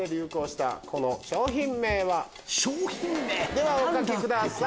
ではお書きください。